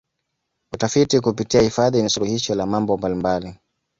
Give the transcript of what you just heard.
utafiti kupitia hifadhi ni suluhisho la mambo mbalimbali